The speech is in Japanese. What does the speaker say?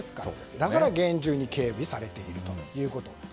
だから厳重に警備されているということです。